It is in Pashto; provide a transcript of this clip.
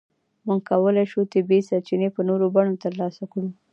موږ کولای شو طبیعي سرچینې په نورو بڼو ترلاسه کړو.